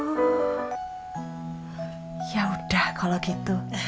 oh yaudah kalau gitu